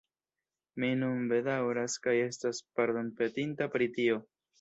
Mi nun bedaŭras kaj estas pardonpetinta pri tio.